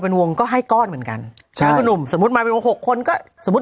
เป็นวงก็ให้ก้อนเหมือนกันใช่คุณหนุ่มสมมุติมาเป็นวงหกคนก็สมมุติ